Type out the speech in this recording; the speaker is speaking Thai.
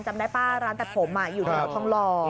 จำได้ป่ะร้านตัดผมอยู่แถวทองหล่อ